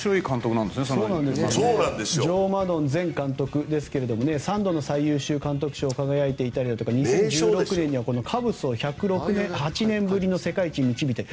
ジョー・マドン前監督ですが３度の最優秀監督賞に輝いていたり２０１６年にはカブスを１０８年ぶりの世界１位に導く。